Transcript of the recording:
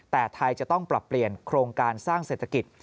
แต่ไทยจะต้องปรับเปลี่ยนโครงการสร้างเศรษฐกิจ